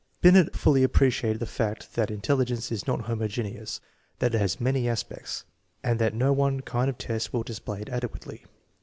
Binct fully appreciated the fact that intelligence is not homogeneous, that it has many aspects, and that no one kind of test will display it adequately.